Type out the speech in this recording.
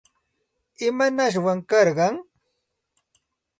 ¿Imanashwan karqan?